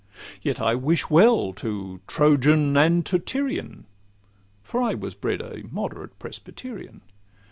Yet I wish well to Trojan and to Tyrian, For I was bred a moderate Presbyterian.